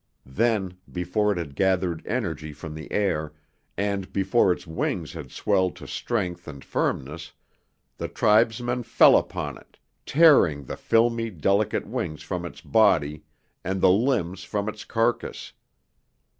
Then, before it had gathered energy from the air, and before its wings had swelled to strength and firmness, the tribesmen fell upon it, tearing the filmy, delicate wings from its body and the limbs from its carcass.